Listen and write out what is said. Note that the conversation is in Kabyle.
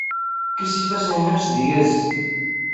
Kkes ifassen-nnem seg-s.